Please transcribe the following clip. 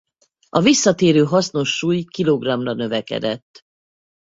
A visszatérő hasznos súly kilogrammra növekedett.